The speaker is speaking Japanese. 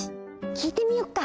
きいてみよっか。